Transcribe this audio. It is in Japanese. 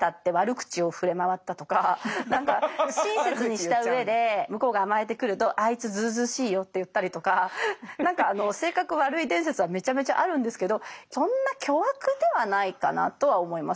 親切にした上で向こうが甘えてくると「あいつずうずうしいよ」って言ったりとか何か性格悪い伝説はめちゃめちゃあるんですけどそんな巨悪ではないかなとは思います。